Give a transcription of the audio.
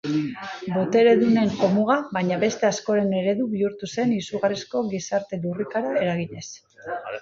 Boteredunen jomuga, baina beste askoren eredu bihurtu zen izugarrizko gizarte lurrikara eraginez.